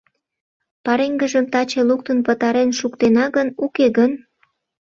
Пареҥгыжым таче луктын пытарен шуктена гын, уке гын?